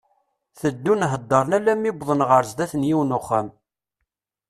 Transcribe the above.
Teddun heddren alammi wwḍen ɣer sdat n yiwen n uxxam.